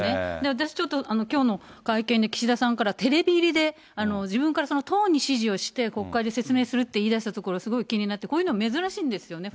私ちょっと、きょうの会見で、岸田さんから、テレビ入りで、自分から党に指示をして、国会で説明するって言い出したところ、すごい気になって、こういうの珍しいんですよね。